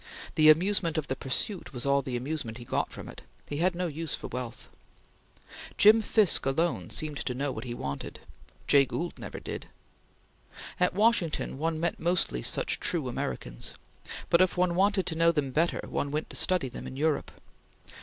The amusement of the pursuit was all the amusement he got from it; he had no use for wealth. Jim Fisk alone seemed to know what he wanted; Jay Gould never did. At Washington one met mostly such true Americans, but if one wanted to know them better, one went to study them in Europe.